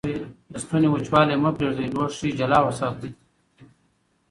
د ستوني وچوالی مه پرېږدئ. لوښي جلا وساتئ.